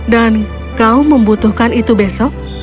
dan kau membutuhkan itu besok